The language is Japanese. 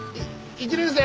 １年生。